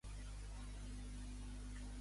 Quant de temps d'encarcerament va rebre Boye?